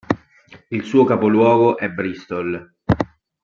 Il suo capoluogo è Bristol.